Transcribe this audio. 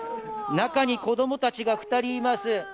中に子供たちが２人います。